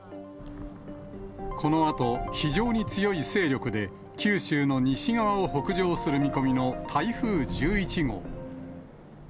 このあと、非常に強い勢力で、九州の西側を北上する見込みの台風１１号。